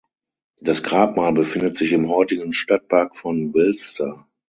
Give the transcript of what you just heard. Das Grabmal befindet sich im heutigen Stadtpark von Wilster.